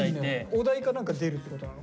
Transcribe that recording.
お題かなんか出るってことなの？